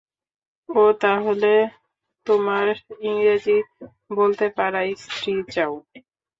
ও তাহলে, তোমার ইংরেজি বলতে পারা স্ত্রী চাও!